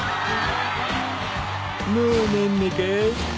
もうねんねかい？